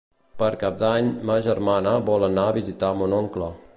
Per Cap d'Any ma germana vol anar a visitar mon oncle.